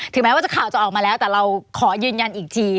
แม้ว่าข่าวจะออกมาแล้วแต่เราขอยืนยันอีกที